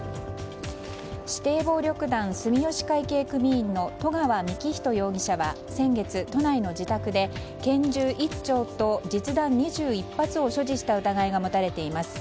指定暴力団住吉会系組員の十川幹仁容疑者は先月、都内の自宅で拳銃１丁と実弾２１発を所持した疑いが持たれています。